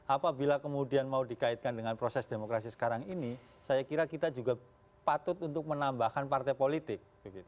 apabila kemudian mau dikaitkan dengan proses demokrasi sekarang ini saya kira kita juga patut untuk menambahkan partai politik